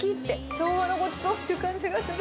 昭和のごちそうって感じがする。